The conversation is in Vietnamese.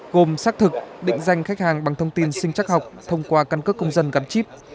gồm xác thực định danh khách hàng bằng thông tin sinh chắc học thông qua căn cước công dân gắn chip